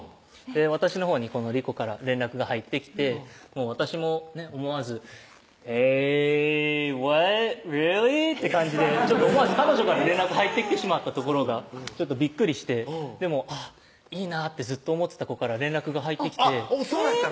私のほうに理子から連絡が入ってきて私も思わず「ＨｅｙＲｅａｌｌｙ？」って感じで思わず彼女から連絡入ってきてしまったところがちょっとびっくりしてでもいいなってずっと思ってた子から連絡が入ってきてそうやったん？